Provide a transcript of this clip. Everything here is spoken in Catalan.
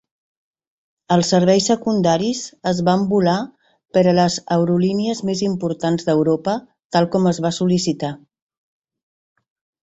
Els serveis secundaris es van volar per a les aerolínies més importants d"Europa tal com es va sol·licitar.